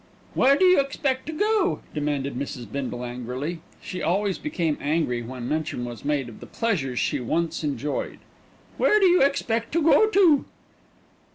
"Where do you expect to go to?" demanded Mrs. Bindle angrily. She always became angry when mention was made of the pleasures she once enjoyed. "Where do you expect to go to?"